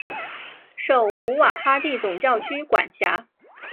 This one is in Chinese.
受古瓦哈蒂总教区管辖。